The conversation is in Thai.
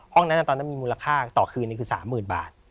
ห้องนั้นตอนนั้นมีมูลค่าต่อคืนคือ๓๐๐๐บาท